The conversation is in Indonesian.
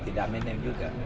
tidak menem juga